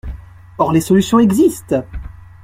Or les solutions existent.